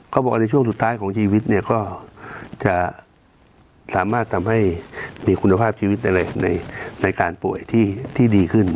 เขาบอกว่าในช่วงสุดท้ายของชีวิตเนี่ยก็จะสามารถทำให้มีคุณภาพชีวิตอะไรในการป่วยที่ดีขึ้น